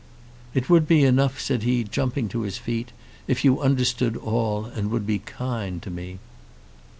"It would be enough," he said, jumping on his feet, "if you understood all, and would be kind to me."